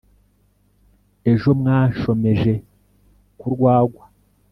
ejo wanshomeje ku rwagwa".